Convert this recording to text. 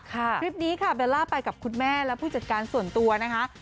คลิปนี้ค่ะเบลล่าไปกับคุณแม่และผู้จัดการส่วนตัวนะคะ